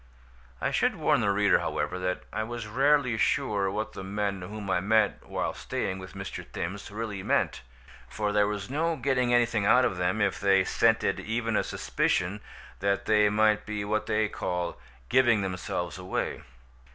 I should warn the reader, however, that I was rarely sure what the men whom I met while staying with Mr. Thims really meant; for there was no getting anything out of them if they scented even a suspicion that they might be what they call "giving themselves away."